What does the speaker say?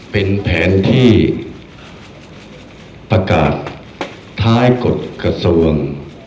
เป็นแผนที่ประกาศท้ายกฎกระทรวง